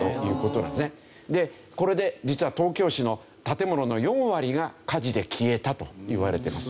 これで実は東京市の建物の４割が火事で消えたといわれてます。